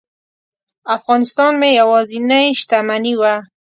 افغانستان مې یوازینۍ شتمني وه.